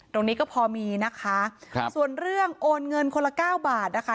ตรงนี้ก็พอมีนะคะครับส่วนเรื่องโอนเงินคนละเก้าบาทนะคะ